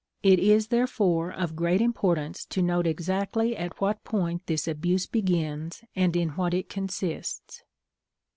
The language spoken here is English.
It is, therefore, of great importance to note exactly at what point this abuse begins, and in what it consists.